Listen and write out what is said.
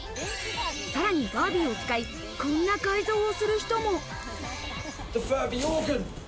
さらにファービーを使い、こんな改造をする人も。